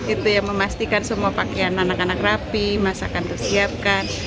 itu yang memastikan semua pakaian anak anak rapi masakan tersiapkan